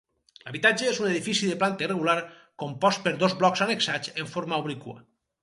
L'habitatge és un edifici de planta irregular, compost per dos blocs annexats en forma obliqua.